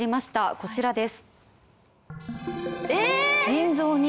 こちらです。